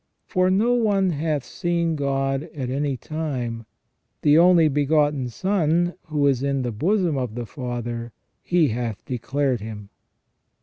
For " no one hath seen God at any time : the only begotten Son who is in the bosom of the Father, He hath declared Him